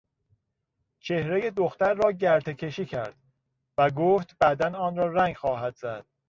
چهرهی دختر را گرتهکشی کرد و گفت بعدا آنرا رنگ خواهد زد.